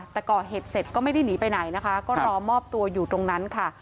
แต่ก่อเหตุเสร็จก็ไม่ได้หนีไปไหนนะคะก็รอมอบตัวอยู่ตรงนั้นค่ะ